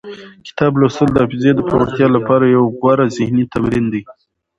کتاب لوستل د حافظې د پیاوړتیا لپاره یو غوره ذهني تمرین دی.